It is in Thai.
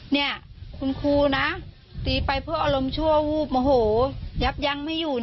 นี่คุณครูนะตีไปเพื่ออารมณ์ชั่ววูบโมโหยับยั้งไม่อยู่